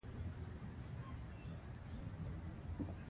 د طبیعي سرچینو ساتنه بې له اوبو امکان نه لري.